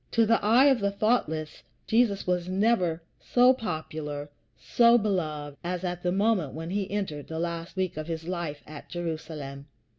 To the eye of the thoughtless, Jesus was never so popular, so beloved, as at the moment when he entered the last week of his life at Jerusalem.